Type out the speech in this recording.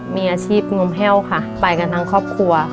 มีอาชีพงมแห้วค่ะไปกันทั้งครอบครัว